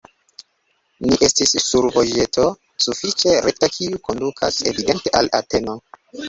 Ni estis sur vojeto sufiĉe rekta, kiu kondukas evidente al Ateno.